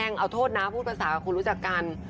ขอโทษนะพูดภาษากับคนรู้จักกัน